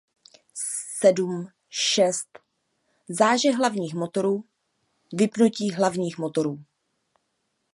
Sedm... Šest... Zážeh hlavních motorů... Vypnutí hlavních motorů...